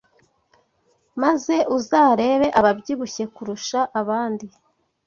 maze uzarebe ababyibushye kurusha abandi